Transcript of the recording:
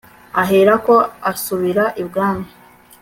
ahera ko asubira ibwami